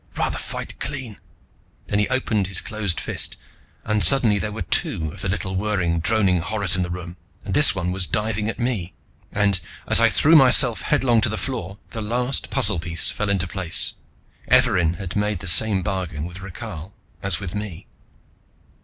Rather fight clean " Then he opened his closed fist and suddenly there were two of the little whirring droning horrors in the room and this one was diving at me, and as I threw myself headlong to the floor the last puzzle piece fell into place: Evarin had made the same bargain with Rakhal as with me!